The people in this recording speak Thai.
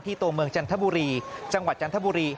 ตัวเมืองจันทบุรีจังหวัดจันทบุรี